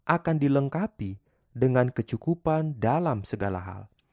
akan dilengkapi dengan kecukupan dalam segala hal